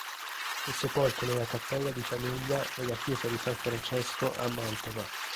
Fu sepolto nella cappella di famiglia della Chiesa di San Francesco a Mantova.